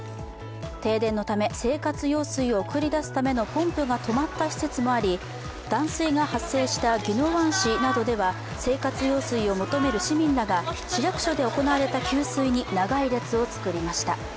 停電のため生活用水を送り出すのためのポンプが止まった施設もあり断水が発生した宜野湾市などでは、生活用水を求める市民らが市役所で行われた給水所に長い列を作りました。